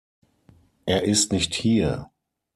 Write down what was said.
Er ist nicht hier.